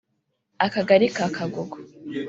Akagali ka Kagugu